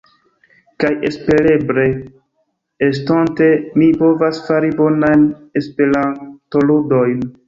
Kaj espereble estonte mi povas fari bonajn Esperantoludojn.